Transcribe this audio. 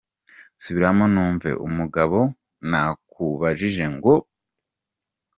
Subiramo, numve !" Umugabo:"Nakubajije ngo .